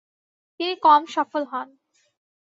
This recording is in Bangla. তিনি কম সফল হন।